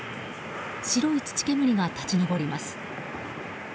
白い土煙が立ち上ります。